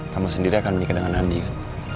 kamu sendiri akan menikah dengan andi kan